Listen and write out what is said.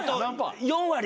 ４割。